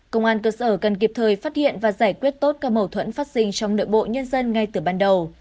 công an cơ sở cần kịp thời phát hiện và giải quyết tốt các mâu thuẫn phát sinh trong nội bộ nhân dân ngay từ ban đầu